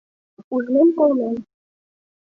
Ужмем-колмем